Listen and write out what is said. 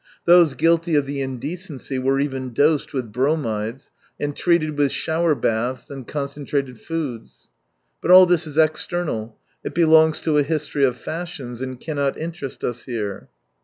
Those guilty of the indecency were even dosed with bromides and treated with shower baths and concentrated foods. But all this is external, it belongs to a history of "fashions" and cannot interest us here.